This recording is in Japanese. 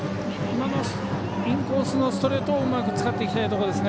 今のインコースのストレートをうまく使っていきたいところです。